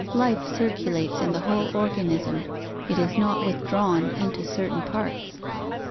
Life circulates in the whole organism: it is not withdrawn into certain parts.